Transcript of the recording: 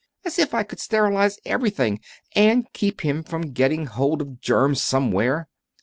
As if I could sterilize everything, and keep him from getting hold of germs somewhere!"